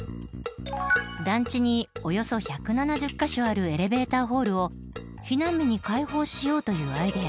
団地におよそ１７０か所あるエレベーターホールを避難民に開放しようというアイデア。